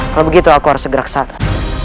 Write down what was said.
kalau begitu aku harus bergerak sato